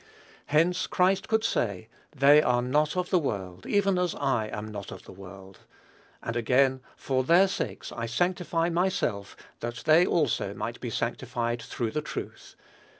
Hence, Christ could say, "They are not of the world, even as I am not of the world;" and again, "For their sakes I sanctify myself, that they also might be sanctified through the truth."